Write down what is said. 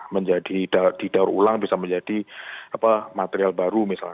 menjadi didaur ulang bisa menjadi material baru misalnya